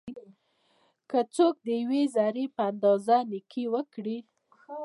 که څوک د یوې ذري په اندازه نيکي وکړي؛